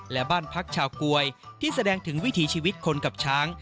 และบ้านพักชาวกวยที่แสดงถึงวิถีชีวิตคนกับช้าง